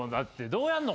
どうやんの？